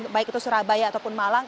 baik itu surabaya ataupun malang